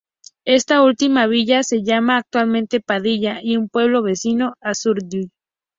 Esta última villa se llama actualmente "Padilla" y un pueblo vecino, "Azurduy".